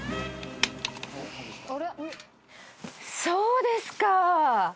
そうですか。